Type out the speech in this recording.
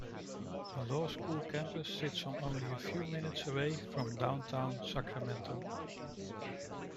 The law school campus sits on only a few minutes away from downtown Sacramento.